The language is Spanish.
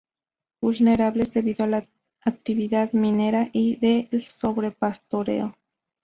Vulnerables debido a la actividad minera y el sobrepastoreo.